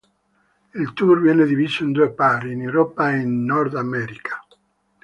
Il tour viene diviso in due parti: in Europa e in Nord America.